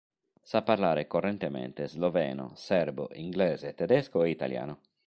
Sa parlare correntemente sloveno, serbo, inglese, tedesco e italiano.